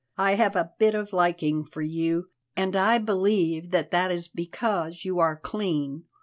I have a bit of liking for you, and I believe that that is because you are clean.